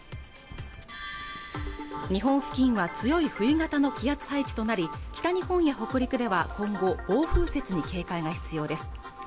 日本付近は強い冬型の気圧配置となり北日本や北陸では今後暴風雪に警戒が必要です